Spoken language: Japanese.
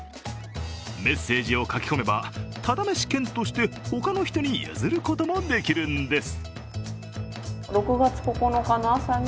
メッセージを書き込めば、ただめし券として他の人に譲ることもできるんです。